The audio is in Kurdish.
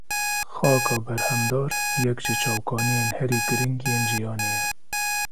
Xaka berhemdar yek ji çavkaniyên herî girîng ên jiyanê ye.